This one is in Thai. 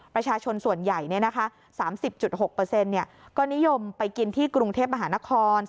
ประชาชนส่วนใหญ่เนี่ยนะคะ๓๐๖เนี่ยก็นิยมไปกินที่กรุงเทพมหานคร